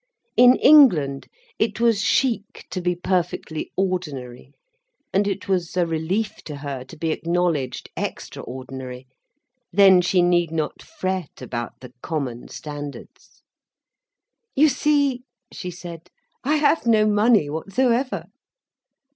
In England it was chic to be perfectly ordinary. And it was a relief to her to be acknowledged extraordinary. Then she need not fret about the common standards. "You see," she said, "I have no money whatsoever."